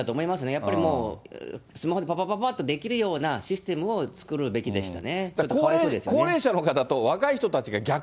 やっぱりもう、スマホでぱぱぱぱっとできるようなシステムを作るべきでしたね。